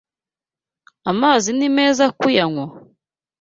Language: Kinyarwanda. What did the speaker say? Aya mazi ni meza kuyanywa?